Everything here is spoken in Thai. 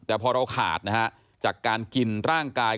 แต่พอเราขาดนะฮะจากการกินร่างกาย